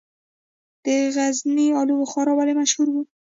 د غزني الو بخارا ولې مشهوره ده؟